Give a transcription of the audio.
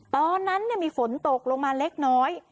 ตอนนั้นมีฝนตกลงมาเล็กน้อย